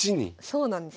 そうなんです。